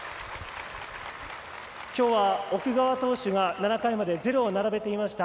きょうは奥川投手が７回までゼロを並べていました。